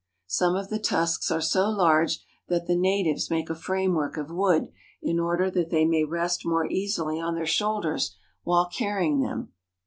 Some of the tusks are so large that the natives make a framework of wood in order that they may rest more easily on their shoul ders while carrying them.